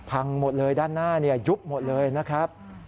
พังหมดเลยด้านหน้ายุบหมดเลยนะครับ